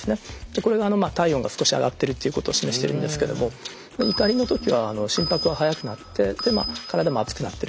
これが体温が少し上がってるっていうことを示してるんですけども怒りの時は心拍は速くなって体も熱くなってる。